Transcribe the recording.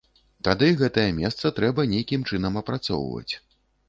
Тады гэтае месца трэба нейкім чынам апрацоўваць.